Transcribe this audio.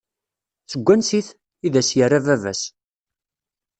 Seg wansi-t? I d as-yerra baba-s.